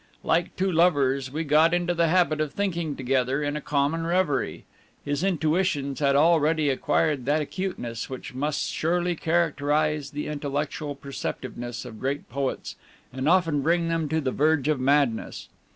Like two lovers, we got into the habit of thinking together in a common reverie. His intuitions had already acquired that acuteness which must surely characterize the intellectual perceptiveness of great poets and often bring them to the verge of madness.